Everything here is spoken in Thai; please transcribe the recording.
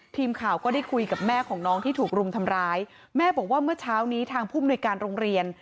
ทีมข่าวก็ได้คุยกับแม่ของน้องที่ถูกรุมทำร้ายแม่บอกว่าเมื่อเช้านี้ทางผู้มนุยการโรงเรียน